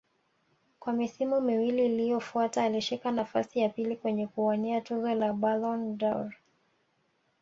Kwa misimu miwili iliyofuata alishika nafasi ya pili kwenye kuwania tuzo za Ballon dâOr